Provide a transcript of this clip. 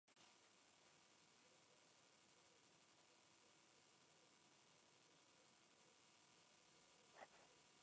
Interpretó su papel póstumo en el filme "Los albañiles", de Jorge Fons.